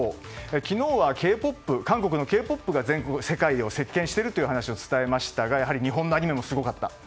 昨日は韓国のＫ‐ＰＯＰが世界を席巻しているというお話を伝えましたが日本のアニメもすごかった。